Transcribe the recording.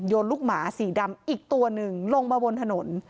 ลูกหมาสีดำอีกตัวหนึ่งลงมาบนถนน